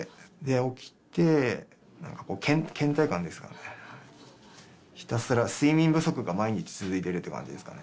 起きて、けん怠感ですかね、ひたすら、睡眠不足が毎日続いているって感じですかね。